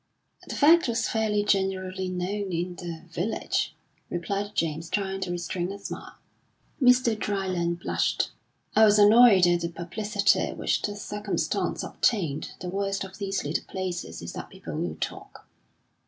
"The fact was fairly generally known in the village," replied James, trying to restrain a smile. Mr. Dryland blushed. "I was annoyed at the publicity which the circumstance obtained. The worst of these little places is that people will talk."